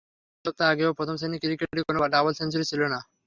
দুই সপ্তাহ আগেও প্রথম শ্রেণির ক্রিকেটে কোনো ডাবল সেঞ্চুরি ছিল না।